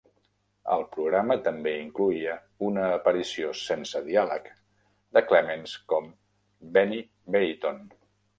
El programa també incloïa una aparició sense diàleg de Clements com Benny Baritone.